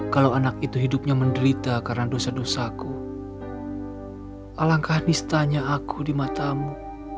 kalau anak itu hidupnya menderita karena dosa dosaku alangkah nistanya aku di matamu